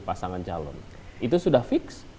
pasangan calon itu sudah fix